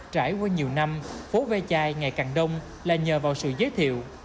trải qua nhiều năm phố ve chai ngày càng đông là nhờ vào sự giới thiệu